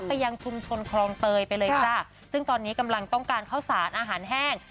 ยังชุมชนคลองเตยไปเลยค่ะซึ่งตอนนี้กำลังต้องการข้าวสารอาหารแห้ง